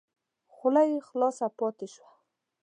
خوله یې خلاصه پاته شوه !